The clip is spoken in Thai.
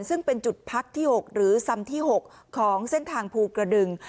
ซึ่งเป็นจุดพักที่๖หรือซ้ำที่๖ของเส้นทางภูกระดึง